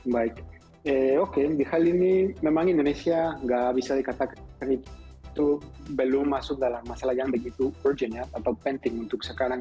baik oke di hal ini memang indonesia nggak bisa dikatakan itu belum masuk dalam masalah yang begitu urgent atau penting untuk sekarang